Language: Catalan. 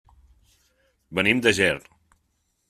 Venim de Ger.